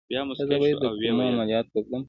ایا زه باید د کولمو عملیات وکړم؟